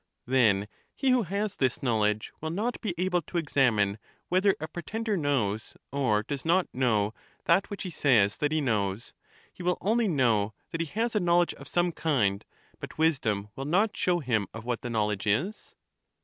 Then he who has this knowledge will not be able to examine whether a pretender knows or does not know that which he says that he knows: he will only know that he has a knowledge of some kind; but wisdom will not show him of what the knowledge is?